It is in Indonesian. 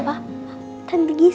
ada orang dapat mementikan